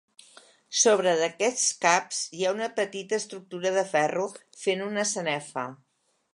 Sobre d'aquests caps, hi ha una petita estructura de ferro fent una sanefa.